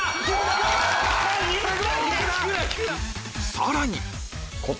さらに